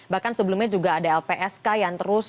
bahkan sebelumnya juga ada lpsk yang terus melakukan penderitaan